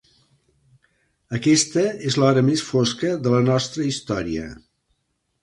Aquesta és l'hora més fosca de la nostra història.